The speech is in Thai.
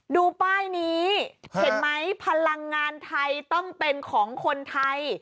ดูป้ายนี้เห็นไหมพลังงานไทยต้องเป็นของคนไทย